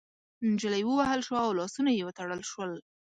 نجلۍ ووهل شوه او لاسونه يې وتړل شول.